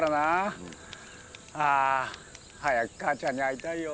ああ早く母ちゃんに会いたいよ。